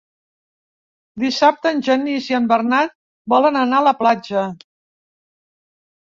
Dissabte en Genís i en Bernat volen anar a la platja.